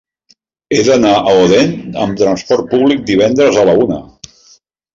He d'anar a Odèn amb trasport públic divendres a la una.